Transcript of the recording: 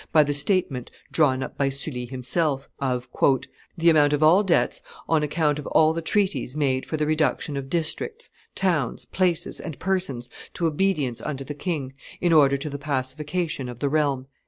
by the statement drawn up by Sully himself, of "the amount of all debts on account of all the treaties made for the reduction of districts, towns, places, and persons to obedience unto the king, in order to the pacification of the realm."